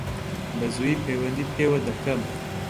بەزوویی پەیوەندیت پێوە دەکەم.